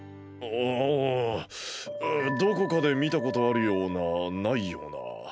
うんどこかでみたことあるようなないような。